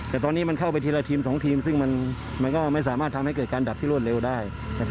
แต่ตอนนี้มันเข้าไปทีละทีม๒ทีมซึ่งมันก็ไม่สามารถทำให้เกิดการดับที่รวดเร็วได้